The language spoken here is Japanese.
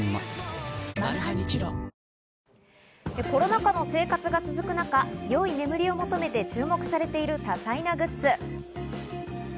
コロナ禍の生活が続く中、よい眠りを求めて注目されている多彩なグッズ。